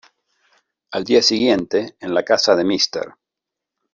Al día siguiente, en la casa de Mr.